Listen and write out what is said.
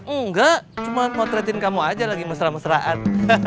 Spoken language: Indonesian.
enggak cuma motretin kamu aja lagi masra masraan